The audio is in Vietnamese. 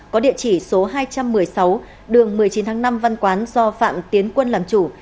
có địa chỉ số hai trăm một mươi sáu đường một mươi chín tháng năm văn quán do phạm tiến quân làm chủ